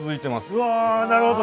うわなるほど。